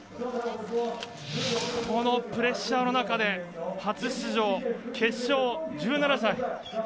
このプレッシャーの中で初出場決勝、１７歳。